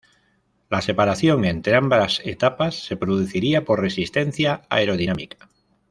La separación entre ambas etapas se produciría por resistencia aerodinámica.